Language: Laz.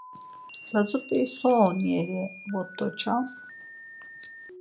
Lazut̆i so on yeri vut̆oçam.